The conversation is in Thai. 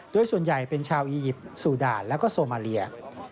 โดยส่วนใหญ่เป็นชาวอียิปต์สู่ด่านแล้วก็โซมาเลีย